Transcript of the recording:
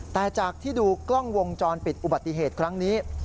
แต่จากที่ดูกล้องวงจรปิดอุบัติเหตุครั้งนี้